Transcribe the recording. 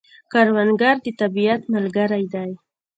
کروندګر د طبیعت ملګری دی